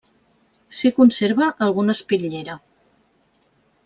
S'hi conserva alguna espitllera.